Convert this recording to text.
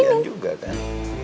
kasihan juga kan